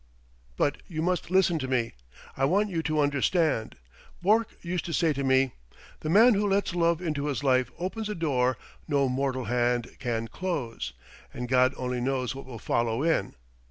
"But you must listen to me. I want you to understand.... Bourke used to say to me: 'The man who lets love into his life opens a door no mortal hand can close and God only knows what will follow in!'